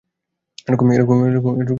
এরকম কোনো শব্দ নেই।